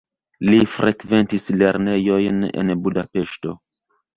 Li frekventis lernejojn en Budapeŝto.